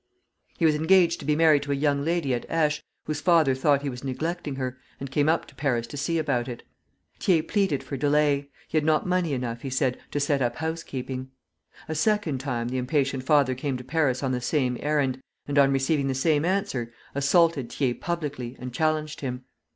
He was engaged to be married to a young lady at Aix, whose father thought he was neglecting her, and came up to Paris to see about it. Thiers pleaded for delay. He had not money enough, he said, to set up housekeeping. A second time the impatient father came to Paris on the same errand, and on receiving the same answer, assaulted Thiers publicly and challenged him.